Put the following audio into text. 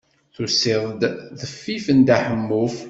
Tusiḍ-d deffif n Dda Ḥemmu.